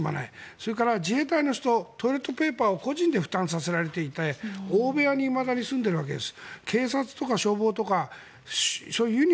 それから自衛隊の人トイレットペーパーを個人で負担させられていて大部屋にいまだに住んでいるわけです。